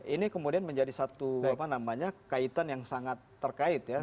ini kemudian menjadi satu kaitan yang sangat terkait ya